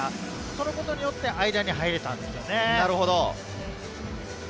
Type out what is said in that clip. このことによって間に入ることができたんですよね。